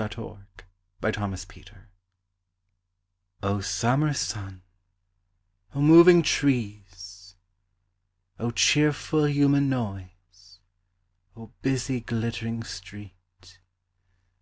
ARTHUR S. CRIPPS. O Summer sun, O moving trees! O cheerful human noise, O busy glittering street!